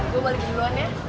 gue balik duluan ya